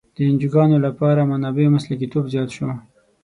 د انجوګانو لپاره منابع او مسلکیتوب زیات شو.